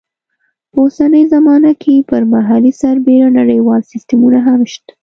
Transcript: په اوسنۍ زمانه کې پر محلي سربېره نړیوال سیسټمونه هم شته.